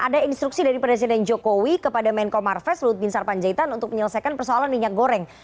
ada instruksi dari presiden jokowi kepada menko marves lut bin sarpanjaitan untuk menyelesaikan persoalan minyak goreng